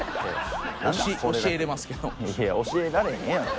いや教えられへんやろ。